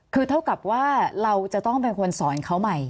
คือเท่ากับว่าเราจะต้องเป็นคนสอนเขาใหม่